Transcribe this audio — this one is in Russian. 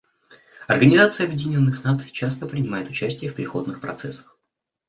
Организация Объединенных Наций часто принимает участие в переходных процессах.